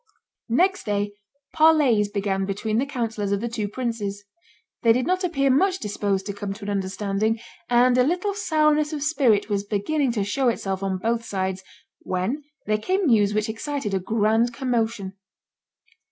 Next day parleys began between the councillors of the two princes. They did not appear much disposed to come to an understanding, and a little sourness of spirit was beginning to show itself on both sides, when there came news which excited a grand commotion.